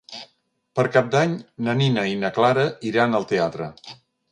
Per Cap d'Any na Nina i na Clara iran al teatre.